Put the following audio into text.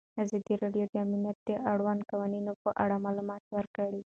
ازادي راډیو د امنیت د اړونده قوانینو په اړه معلومات ورکړي.